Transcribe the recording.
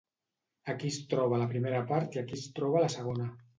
Aquí es troba la primera part i aquí es troba la segona.